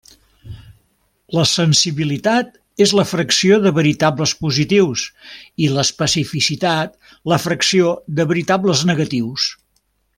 La sensibilitat és la fracció de veritables positius i l'especificitat la fracció de veritables negatius.